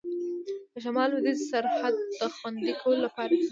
د شمال لوېدیځ سرحد د خوندي کولو لپاره.